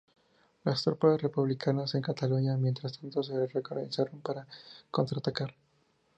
Las tropas republicanas en Cataluña, mientras tanto, se reorganizaron para contraatacar.